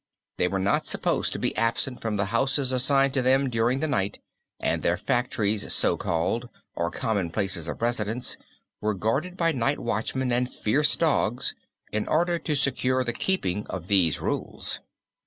They were not supposed to be absent from the houses assigned to them during the night, and their factories so called, or common places of residence, were guarded by night watchman and fierce dogs in order to secure the keeping of these rules.